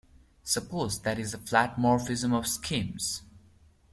Suppose that is a flat morphism of schemes.